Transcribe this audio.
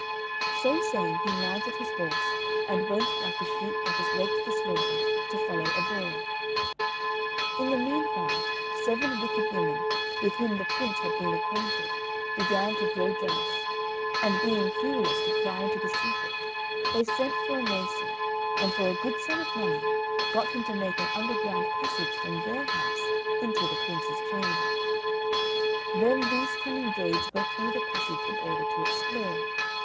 So saying he mounted his horse, and went, like a sheep that is led to the slaughter, to follow a boar. In the meanwhile seven wicked women, with whom the Prince had been acquainted, began to grow jealous; and being curious to pry into the secret, they sent for a mason, and for a good sum of money got him to make an underground passage from their house into the Prince's chamber. Then these cunning jades went through the passage in order to explore.